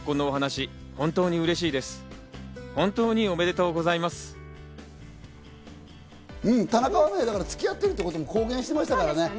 うん、田中はね、付き合ってるってことも公言してましたからね。